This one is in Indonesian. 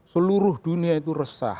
seluruh dunia itu resah